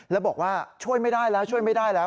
แล้วบอกว่าช่วยไม่ได้แล้วช่วยไม่ได้แล้ว